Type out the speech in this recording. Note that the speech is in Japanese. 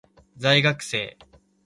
在学生